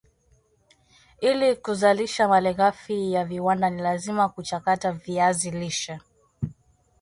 Ili Kuzalisha malighafi ya viwanda ni lazima kuchakata viazi lishe